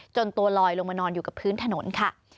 ตัวลอยลงมานอนอยู่กับพื้นถนนค่ะ